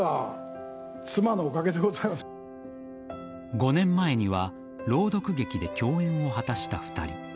５年前には朗読劇で共演を果たした２人。